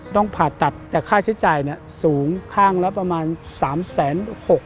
ต้องผ่าตัดแต่ค่าใช้จ่ายสูงข้างละประมาณ๓๖๐๐บาท